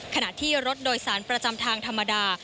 ขณะที่รถโดยสารประจำทางธรรมดา